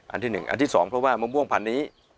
อันที่สองเพราะว่ามะม่วงผันนี้